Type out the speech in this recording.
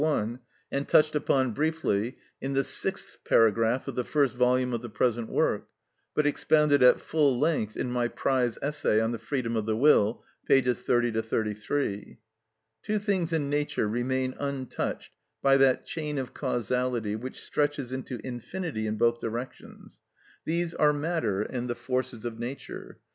1, and touched upon briefly in the sixth paragraph of the first volume of the present work, but expounded at full length in my prize essay on the freedom of the will, p. 30 33. Two things in nature remain untouched by that chain of causality which stretches into infinity in both directions; these are matter and the forces of nature.